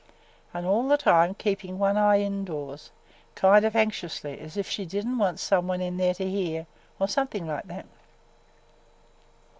An' all the time keepin' one eye indoors, kind o' anxiously, as if she did n't want some one in there to hear – or something like that.